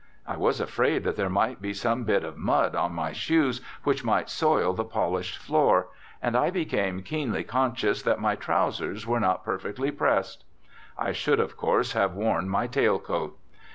I was afraid that there might be some bit of mud on my shoes which would soil the polished floor; and I became keenly conscious that my trowsers were not perfectly pressed. I should, of course, have worn my tail coat.